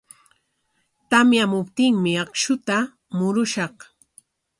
Tamyamuptinmi akshuta murushaq.